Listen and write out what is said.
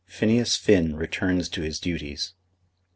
PHINEAS FINN RETURNS TO HIS DUTIES.